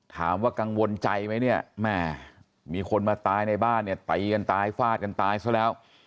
ถามว่ากังวลใจไหมเนี่ยแม่มีคนมาตายในบ้านเนี่ยตีกันตายฟาดกันตายซะแล้ว